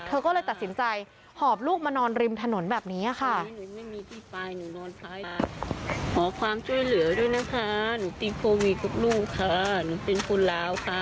เธอก็เลยตัดสินใจหอบลูกมานอนริมถนนแบบนี้ค่ะ